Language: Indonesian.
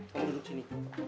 kamu duduk sini